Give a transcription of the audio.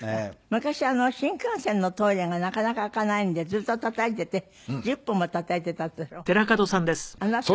昔新幹線のトイレがなかなか開かないんでずっとたたいていて１０分もたたいていたってそれ本当なの？